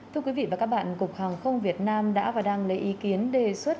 thưa quý vị và các bạn cục hàng không việt nam đã và đang lấy ý kiến đề xuất